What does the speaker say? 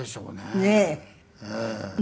ねえ。